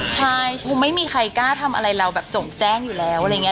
ใช่คือไม่มีใครกล้าทำอะไรเราแบบจงแจ้งอยู่แล้วอะไรอย่างนี้